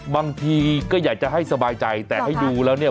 บางทีก็อยากจะให้สบายใจแต่ให้ดูแล้วเนี่ย